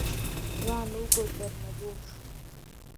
ځوان اوږه درنه شوه.